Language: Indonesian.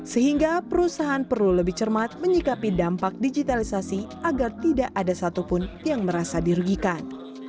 sehingga perusahaan perlu lebih cermat menyikapi dampak digitalisasi agar tidak ada satupun yang merasa dirugikan